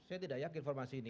saya tidak yakin informasi ini